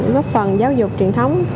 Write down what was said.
góp phần giáo dục truyền thống